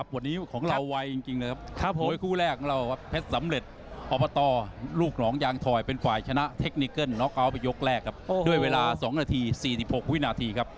วันนี้ของเราไวจริงนะครับโดยคู่แรกเราแพสสำเร็จออบบัตรลูกหนองยางทอยเป็นฝ่ายชนะเทคนิกเกิ้ลยกแรกครับด้วยเวลา๒นาที๔๖วินาทีครับ